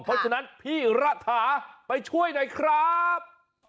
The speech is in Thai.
เพราะฉะนั้นพี่ระถาไปช่วยหน่อยครับ